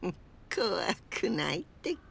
こわくないってけ。